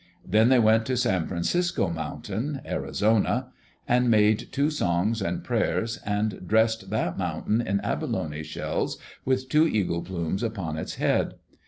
Then they went to San Francisco Mountain (Arizona) and made two songs and prayers and dressed that mountain in abalone shells with two eagle plumes upon its head.